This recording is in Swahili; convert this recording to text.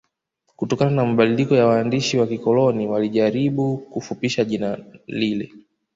Kutokana na mabadiliko ya waandishi wa kikoloni walijaribu kufupisha jina lile